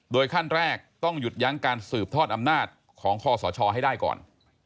ขั้นแรกต้องหยุดยั้งการสืบทอดอำนาจของคอสชให้ได้ก่อน